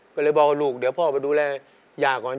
ก็เลยบอกว่าลูกเดี๋ยวพ่อไปดูแลย่าก่อน